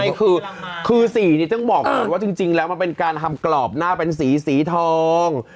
นี่คือสีนี้ต้องบอกก่อนว่าจริงแล้วมันเป็นการทำกรอบหน้าเป็นสีสีทอง